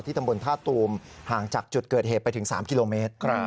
ตำบลท่าตูมห่างจากจุดเกิดเหตุไปถึง๓กิโลเมตร